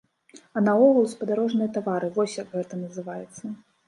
А наогул, спадарожныя тавары, вось як гэта называецца.